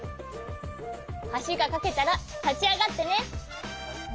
はしがかけたらたちあがってね。